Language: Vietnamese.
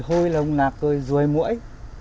hôi lồng lạc rồi rùi mũi